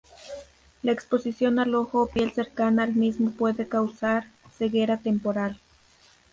La exposición al ojo o piel cercana al mismo puede causar ceguera temporal.